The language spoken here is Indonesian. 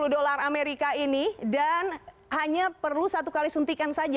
dua puluh dolar amerika ini dan hanya perlu satu kali suntikan saja